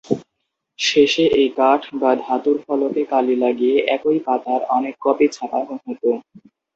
শেষে এই কাঠ বা ধাতুর ফলকে কালি লাগিয়ে একই পাতার অনেক কপি ছাপানো হত।